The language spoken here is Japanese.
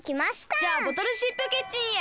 じゃあボトルシップキッチンへ。